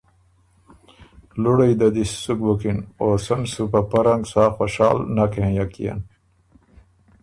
لُوړئ ده دی سُک بُکِن او سن سُو سۀ په پۀ رنګ ساخوشال نک هېنئک يېن،